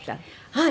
はい。